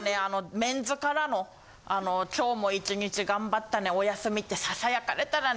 メンズからの「今日も１日頑張ったねおやすみ」って囁かれたらね